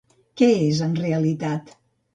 Què és, en realitat?